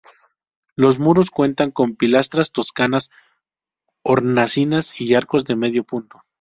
Los muros cuentan con pilastras toscanas, hornacinas y arcos de medio punto.